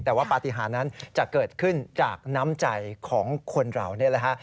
แต่ว่าปฏิหารนั้นจะเกิดขึ้นจากน้ำใจของคนเรานี่แหละฮะ